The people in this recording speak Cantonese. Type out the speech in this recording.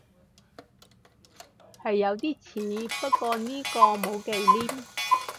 係有啲似，不過呢個冇忌廉